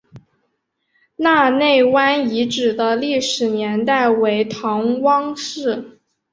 纳业湾遗址的历史年代为唐汪式。